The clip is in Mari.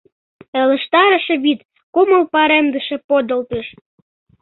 Ылыжтарыше вӱд, кумыл паремдыше подылтыш.